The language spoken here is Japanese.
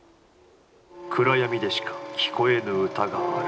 暗闇でしか聴こえぬ歌がある。